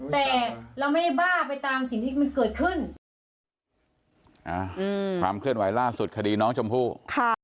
แต่เราไม่ได้บ้าไปตามสิ่งที่มันเกิดขึ้นอ่าอืมความเคลื่อนไหวล่าสุดคดีน้องชมพู่ค่ะ